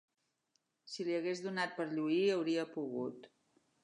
Si li hagués donat per lluir, hauria pogut